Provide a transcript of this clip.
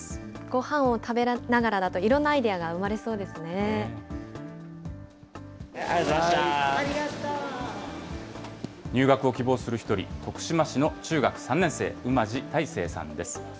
ごはんを食べながらだと、いろんなアイデアが生まれそうです入学を希望する１人、徳島市の中学３年生、馬地泰誠さんです。